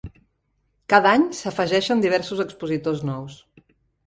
Cada any, s'afegeixen diverses expositors nous.